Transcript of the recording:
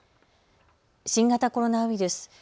新型コロナウイルス。